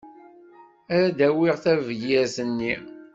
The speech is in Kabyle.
Ad d-awiɣ tabyirt-nni.